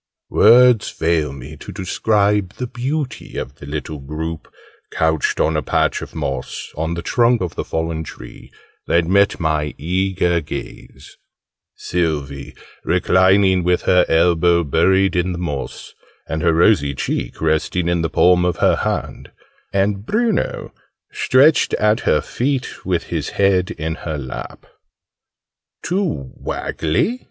Words fail me to describe the beauty of the little group couched on a patch of moss, on the trunk of the fallen tree, that met my eager gaze: Sylvie reclining with her elbow buried in the moss, and her rosy cheek resting in the palm of her hand, and Bruno stretched at her feet with his head in her lap. {Image...Fairies resting} "Too waggly?"